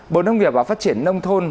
bộ nông nghiệp và phát triển nông thôn